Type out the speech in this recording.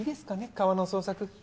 川の捜索